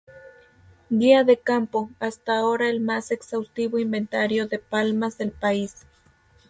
Guía de campo," hasta ahora el más exhaustivo inventario de palmas del país.